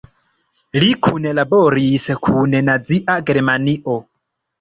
Li kunlaboris kun Nazia Germanio.